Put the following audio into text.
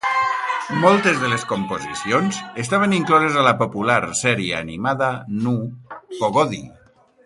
Moltes de les composicions estaven incloses a la popular sèrie animada Nu, pogodi!